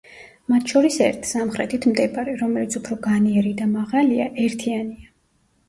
მათ შორის ერთ, სამხრეთით მდებარე, რომელიც უფრო განიერი და მაღალია, ერთიანია.